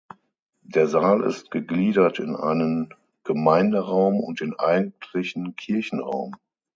Der Saal ist gegliedert in einen Gemeinderaum und den eigentlichen Kirchenraum.